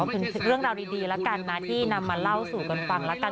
ก็คือเรื่องราวดีละกันนะที่นำมาเล่าสู่กันฟังละกัน